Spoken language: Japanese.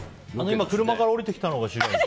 今、車から降りてきたのが白石？